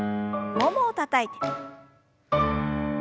ももをたたいて。